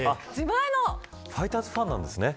ファイターズファンなんですね。